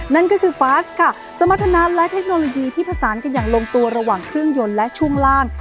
นั่นก็คือฟาสค่ะสมรรถนาและเทคโนโลยีที่ผสานกันอย่างลงตัวระหว่างเครื่องยนต์และช่วงล่าง